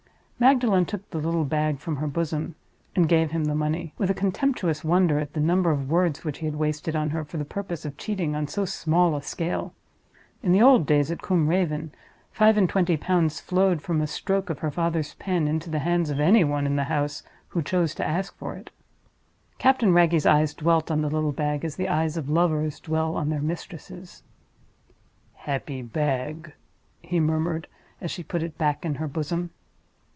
Magdalen took the little bag from her bosom, and gave him the money, with a contemptuous wonder at the number of words which he had wasted on her for the purpose of cheating on so small a scale. In the old days at Combe Raven, five and twenty pounds flowed from a stroke of her father's pen into the hands of any one in the house who chose to ask for it. Captain Wragge's eyes dwelt on the little bag as the eyes of lovers dwell on their mistresses. "Happy bag!" he murmured, as she put it back in her bosom.